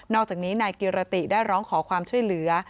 อกจากนี้นายกิรติได้ร้องขอความช่วยเหลือ